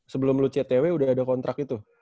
sebelum lu ctw udah ada kontrak itu